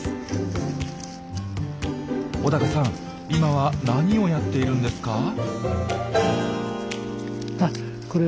今は何をやっているんですか？